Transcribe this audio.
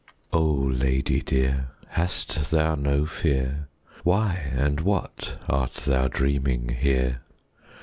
Oh, lady dear, hast thou no fear? Why and what art thou dreaming here?